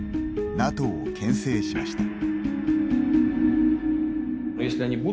ＮＡＴＯをけん制しました。